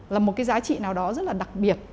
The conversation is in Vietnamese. là một cái giá trị nào đó rất là đặc biệt